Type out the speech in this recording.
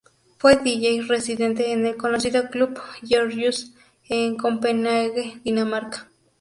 Fue Dj residente en el conocido Club Gorgeous en Copenague, Dinamarca.